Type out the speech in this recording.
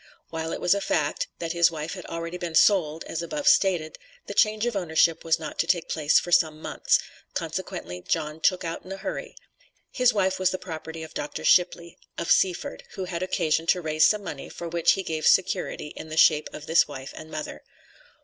While it was a fact, that his wife had already been sold, as above stated, the change of ownership was not to take place for some months, consequently John "took out in a hurry." His wife was the property of Dr. Shipley, of Seaford, who had occasion to raise some money for which he gave security in the shape of this wife and mother.